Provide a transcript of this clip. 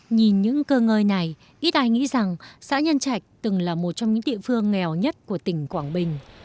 nhìn những cơ ngơi này ít ai nghĩ rằng xã nhân trạch từng là một trong những địa phương nghèo nhất của tỉnh quảng bình